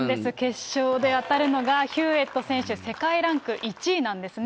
決勝で当たるのが、ヒューエット選手、世界ランク１位なんですね。